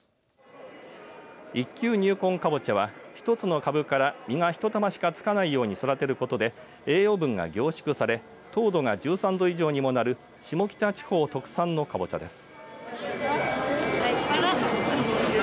一球入魂かぼちゃは１つの株から実が１玉しかつかないように育てることで栄養分が凝縮され糖度が１３度以上にもなる下北地方特産のかぼちゃです。